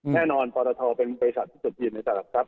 แน่นอนปตทเป็นบริษัทที่จุดยืนในตลาดทรัพ